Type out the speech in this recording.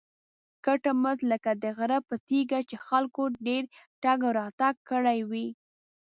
کټ مټ لکه د غره پر تیږه چې خلکو ډېر تګ راتګ کړی وي.